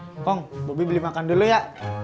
hmmpong bobi beli makan dulu ya